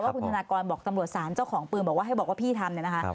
คุณธนากรบอกตำรวจศาลเจ้าของปืนบอกว่าให้บอกว่าพี่ทำเนี่ยนะคะ